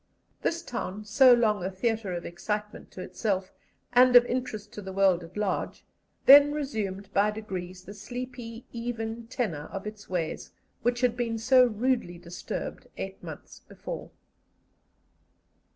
This town, so long a theatre of excitement to itself and of interest to the world at large, then resumed by degrees the sleepy, even tenor of its ways, which had been so rudely disturbed eight months before.